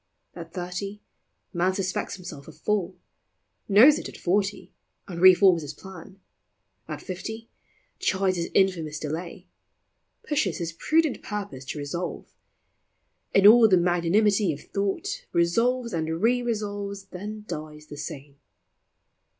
At thirty, man suspects himself a fool ; Knows it at forty, and reforms his plan ; At fifty, chides his infamous delay, Pushes his prudent purpose to resolve ; In all the magnanimity of thought, Resolves, and re resolves ; then dies the same.